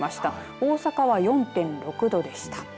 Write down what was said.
大阪は４．６度でした。